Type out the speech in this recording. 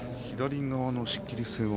左側の仕切り線